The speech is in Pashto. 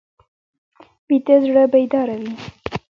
ویده زړه بیداره وي